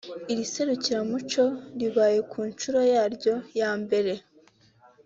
Iri serukiramuco ribaye ku nshuro yaryo ya mbere